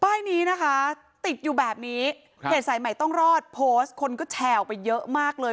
ป้ายนี้นะคะติดอยู่แบบนี้ครับเหตุสายใหม่ต้องรอดคนก็แชวไปเยอะมากเลย